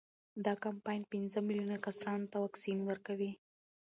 دا کمپاین پنځه میلیون کسانو ته واکسین ورکوي.